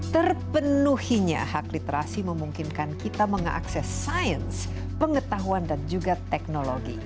terpenuhinya hak literasi memungkinkan kita mengakses sains pengetahuan dan juga teknologi